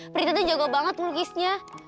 prita itu jago banget melukisnya